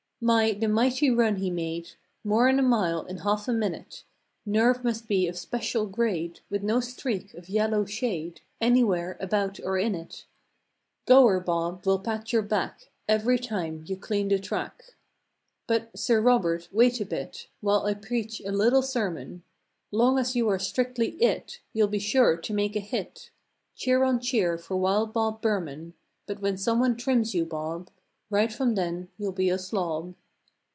My, the mighty run he made! More'n a mile in half a minute ! Nerve must be of special grade With no streak of yellow shade Anywhere about or in it. Go 'er, Bob, we'll pat your back Every time you clean the track. 169 But, Sir Robert, wait a bit. While I preach a little sermon: Long as you are strictly IT, You'll be sure to make a hit— Cheer on cheer for "Wild Bob" Burman! But when someone trims you, Bob, Right from then you'll be a slob.